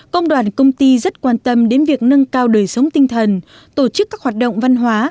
công đoàn công ty rất quan tâm đến việc nâng cao đời sống tinh thần tổ chức các hoạt động văn hóa